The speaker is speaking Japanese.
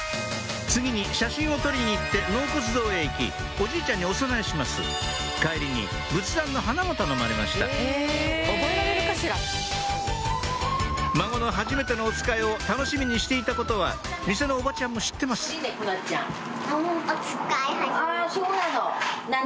次に写真を取りに行って納骨堂へ行きおじいちゃんにお供えします帰りに仏壇の花も頼まれました孫のはじめてのおつかいを楽しみにしていたことは店のおばちゃんも知ってますあそうなの何？